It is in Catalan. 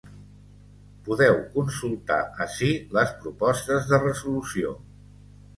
Podeu consultar ací les propostes de resolució.